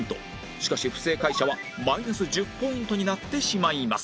しかし不正解者はマイナス１０ポイントになってしまいます